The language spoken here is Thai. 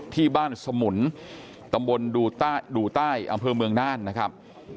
ที่บ้านสมุนตำบลดูใต้อำเภอเมืองน่านนะครับ